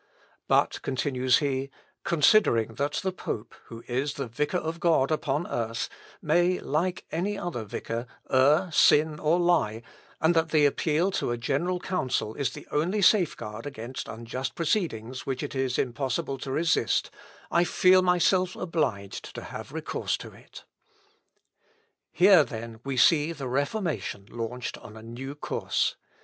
"But," continues he, "considering that the pope, who is the vicar of God upon earth, may, like any other vicar, err, sin, or lie, and that the appeal to a general council is the only safeguard against unjust proceedings which it is impossible to resist, I feel myself obliged to have recourse to it." Löscher. Ref. Act. Here, then, we see the Reformation launched on a new course.